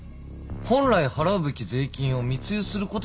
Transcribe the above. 本来払うべき税金を密輸することで逃れた。